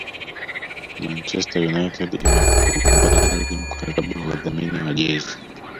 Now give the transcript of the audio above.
Manchester United imekubali mkataba wa udhamini wa jezi